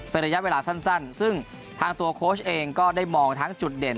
เป็นระยะเวลาสั้นซึ่งทางตัวโค้ชเองก็ได้มองทั้งจุดเด่น